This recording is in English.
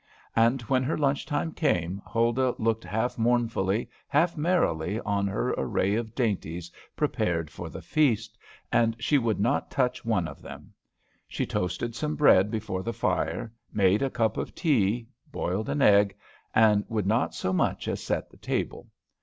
And when her lunch time came, Huldah looked half mournfully, half merrily, on her array of dainties prepared for the feast, and she would not touch one of them. She toasted some bread before the fire, made a cup of tea, boiled an egg, and would not so much as set the table.